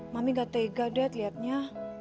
mami gak tega dad liatnya